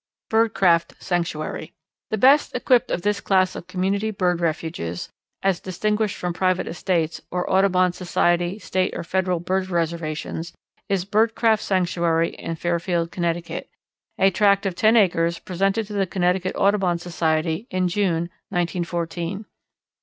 Birdcraft Sanctuary. The best equipped of this class of community bird refuges, as distinguished from private estates, or Audubon Society, State, or Federal bird reservations, is Birdcraft Sanctuary in Fairfield, Connecticut, a tract of ten acres presented to the Connecticut Audubon Society in June, 1914. Mrs.